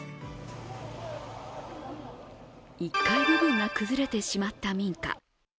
１階部分が崩れてしまった民家。